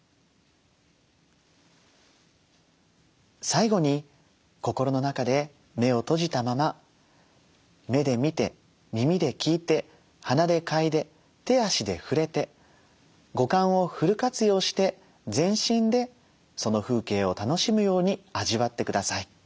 最後に心の中で目を閉じたまま目で見て耳で聞いて鼻で嗅いで手足で触れて五感をフル活用して全身でその風景を楽しむように味わってください。